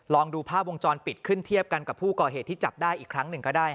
ลองดูภาพวงจรปิดขึ้นเทียบกันกับผู้ก่อเหตุที่จับได้อีกครั้งหนึ่งก็ได้